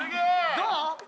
どう？